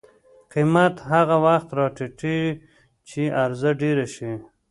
قیمت هغه وخت راټیټي چې عرضه ډېره شي.